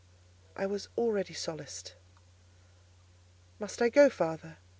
I was already solaced. "Must I go, father?"